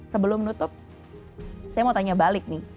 sebelum nutup saya mau tanya balik nih